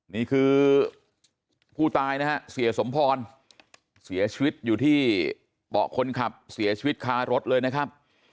นี่คือผู้ตายนะฮะเสียสมพรเสียชีวิตอยู่ที่เบาะคนขับเสียชีวิตคารถเลยนะครับ